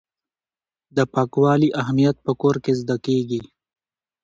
د پاکوالي اهمیت په کور کې زده کیږي.